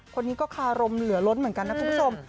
คนนี้ก็คารมเหลือล้นเหมือนกันนะคุณผู้ชม